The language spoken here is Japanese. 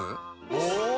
お！